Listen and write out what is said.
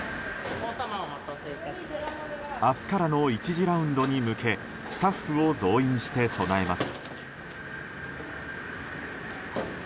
明日からの１次ラウンドに向けスタッフを増員して備えます。